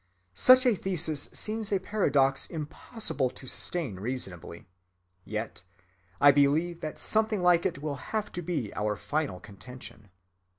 Such a thesis seems a paradox impossible to sustain reasonably,—yet I believe that something like it will have to be our final contention.